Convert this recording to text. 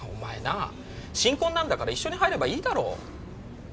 あ新婚なんだから一緒に入ればいいだろ